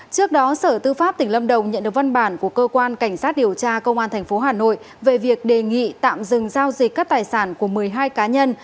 trước đó sở tư pháp tỉnh lâm đồng nhận được văn bản của cơ quan cảnh sát điều tra công an tp hà nội về việc đề nghị tạm dừng giao dịch các tài sản của một mươi hai cá nhân